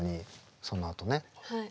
はい。